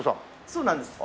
そうなんです。